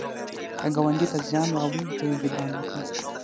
که ګاونډي ته زیان واړوي، ته یې جبران وکړه